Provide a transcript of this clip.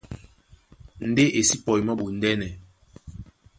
Ndé e sí pɔi mɔ́ ɓondɛ́nɛ.